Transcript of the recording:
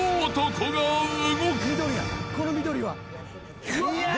この緑は。